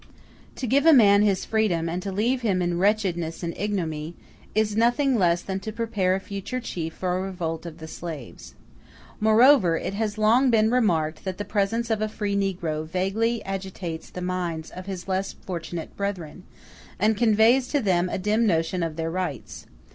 To give a man his freedom, and to leave him in wretchedness and ignominy, is nothing less than to prepare a future chief for a revolt of the slaves. Moreover, it has long been remarked that the presence of a free negro vaguely agitates the minds of his less fortunate brethren, and conveys to them a dim notion of their rights.